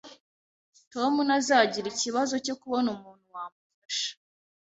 Tom ntazagira ikibazo cyo kubona umuntu wamufasha